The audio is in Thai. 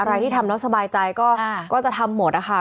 อะไรที่ทำแล้วสบายใจก็จะทำหมดนะคะ